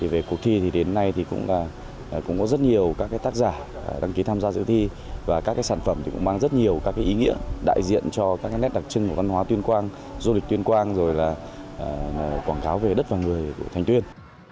về cuộc thi thì đến nay thì cũng có rất nhiều các tác giả đăng ký tham gia dự thi và các sản phẩm cũng mang rất nhiều các ý nghĩa đại diện cho các nét đặc trưng của văn hóa tuyên quang du lịch tuyên quang rồi là quảng cáo về đất và người của thành tuyên